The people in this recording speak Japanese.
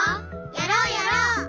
やろうやろう！